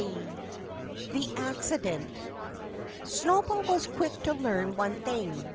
XII THE ACCIDENT Snowball was quick to learn one thing.